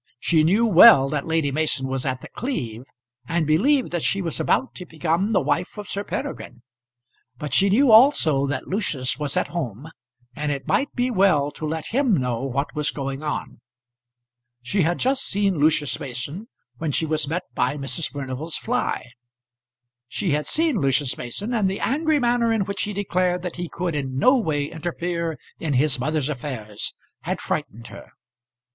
She knew well that Lady Mason was at The Cleeve, and believed that she was about to become the wife of Sir Peregrine; but she knew also that Lucius was at home, and it might be well to let him know what was going on. She had just seen Lucius Mason when she was met by Mrs. Furnival's fly. She had seen Lucius Mason, and the angry manner in which he declared that he could in no way interfere in his mother's affairs had frightened her.